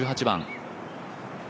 １８番。